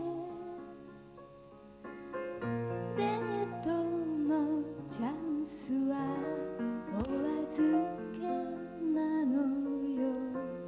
「デートのチャンスはおあずけなのよ」